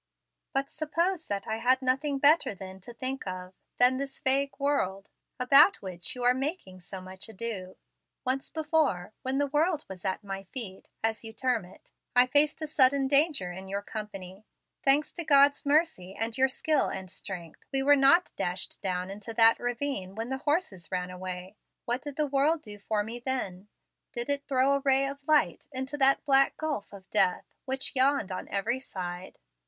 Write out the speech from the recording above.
But suppose that I had had nothing better then to think of than this vague world, about which you are making so much ado? Once before, when the world was at my feet, as you term it, I faced a sudden danger in your company. Thanks to God's mercy and your skill and strength, we were not dashed down into that ravine when the horses ran away. What did the world do for me then? Did it throw a ray of light into that black gulf of death, which yawned on every side?